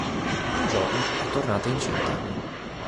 Un giorno è tornata incinta.